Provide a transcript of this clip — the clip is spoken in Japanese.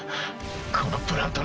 このプラントに。